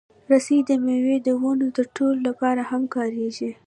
رسۍ د مېوې د ونو تړلو لپاره هم کارېږي.